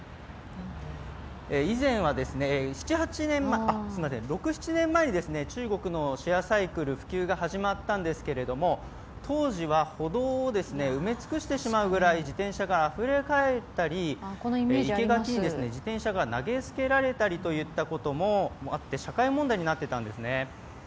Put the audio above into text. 以前は、６７年前に、中国のシェアサイクル、普及が始まったんですけど当時は歩道を埋め尽くしてしまうぐらい自転車があふれかえったり生け垣に自転車が投げ捨てられたりということもあって社会問題になってたんですね。